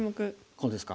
こうですか。